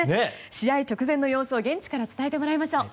試合直前の様子を現地から伝えてもらいましょう。